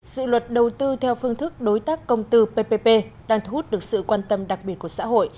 dự luật đầu tư theo phương thức đối tác công tư ppp đang thu hút được sự quan tâm đặc biệt của xã hội